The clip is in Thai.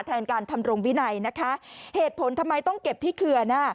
แทนการทำรงวินัยนะคะเหตุผลทำไมต้องเก็บที่เขื่อนอ่ะ